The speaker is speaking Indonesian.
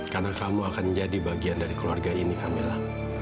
karena kamu akan jadi bagian dari keluarga ini kamila